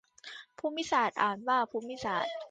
ภูมิศาสตร์ อ่านว่า พูมมิสาด